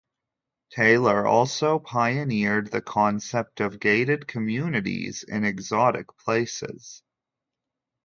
Taylor also pioneered the concept of gated communities in exotic places.